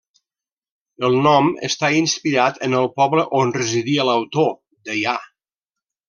El nom està inspirat en el poble on residia l'autor, Deià.